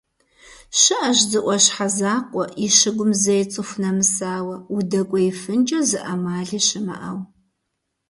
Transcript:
ЩыӀэщ зы Ӏуащхьэ закъуэ и щыгум зэи цӀыху нэмысауэ, удэкӀуеифынкӀэ зы Ӏэмали щымыӀэу.